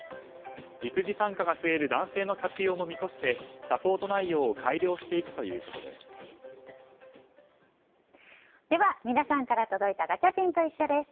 育児参加が増える男性の活用も見越してサポート内容を改良していくということです。